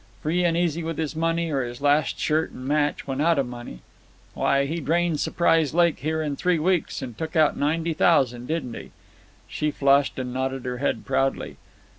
Free an' easy with his money, or his last shirt an' match when out of money. Why, he drained Surprise Lake here in three weeks an' took out ninety thousand, didn't he?" She flushed and nodded her head proudly.